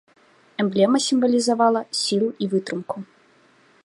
Эмблема сімвалізавала сілу і вытрымку.